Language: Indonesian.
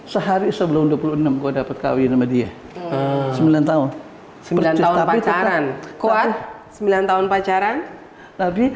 dua puluh lima sehari sebelum dua puluh enam gue dapat kawin sama dia sembilan tahun tahun pacaran kuat sembilan tahun pacaran tapi